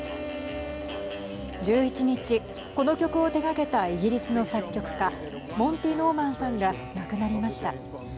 １１日、この曲を手がけたイギリスの作曲家モンティ・ノーマンさんが亡くなりました。